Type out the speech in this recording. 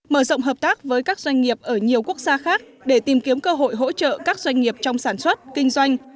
mở rộng hợp tác với các doanh nghiệp ở nhiều quốc gia khác để tìm kiếm cơ hội hỗ trợ các doanh nghiệp trong sản xuất kinh doanh